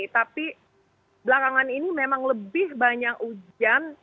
tapi belakangan ini memang lebih banyak hujan